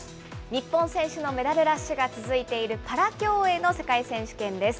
日本選手のメダルラッシュが続いている、パラ競泳の世界選手権です。